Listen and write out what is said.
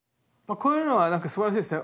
こういうのは何かすばらしいですよ。